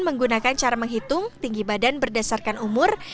menggunakan cara menghitung tinggi badan berdasarkan umur